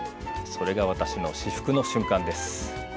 それが私の至福の瞬間です。